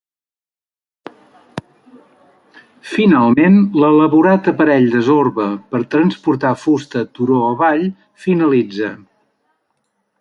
Finalment, l'elaborat aparell de Zorba per transportar fusta turó avall finalitza.